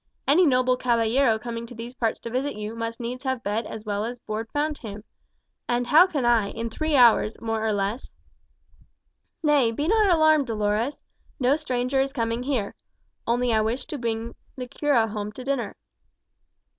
Any noble caballero coming to these parts to visit you must needs have bed as well as board found him. And how can I, in three hours, more or less " "Nay, be not alarmed, Dolores; no stranger is coming here. Only I wish to bring the cura home to dinner."